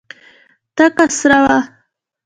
تکه سره وه.